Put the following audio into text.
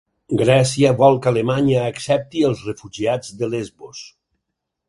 Grècia vol que Alemanya accepti els refugiats de Lesbos